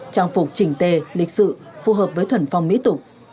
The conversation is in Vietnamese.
trang phục trình tề lịch sự phù hợp với thuần phong mỹ tục